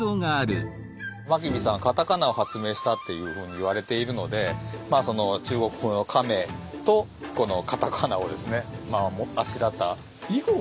真備さんはカタカナを発明したっていうふうにいわれているのでその中国風の亀とこのカタカナをあしらった。